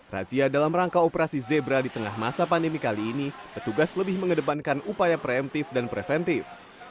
razia dalam rangka operasi zebra di tengah masa pandemi kali ini petugas lebih mengedepankan upaya preemptif dan preventif